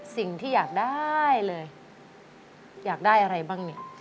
สิ่งที่อยากได้เลยอยากได้อะไรบ้างเนี่ย